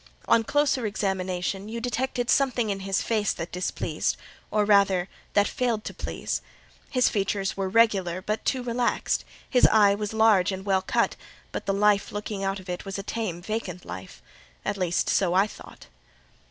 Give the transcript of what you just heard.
On closer examination, you detected something in his face that displeased, or rather that failed to please. His features were regular, but too relaxed: his eye was large and well cut, but the life looking out of it was a tame, vacant life—at least so I thought.